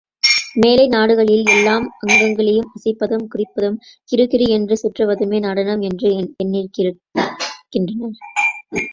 மேலை நாடுகளில் எல்லாம் அங்கங்களை அசைப்பதும், குதிப்பதும், கிறுகிறு என்று சுற்றுவதுமே நடனம் என்று எண்ணியிருக்கின்றனர்.